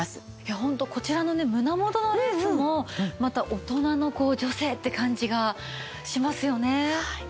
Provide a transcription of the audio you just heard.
ホントこちらのね胸元のレースもまた大人の女性って感じがしますよね。